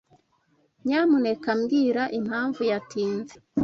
Nyamuneka mbwira impamvu yatinze.